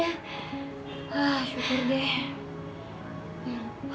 ah syukur deh